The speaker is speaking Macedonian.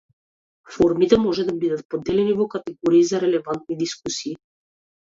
Форумите може да бидат поделени во категории за релевантни дискусии.